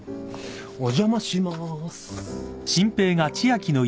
お邪魔します。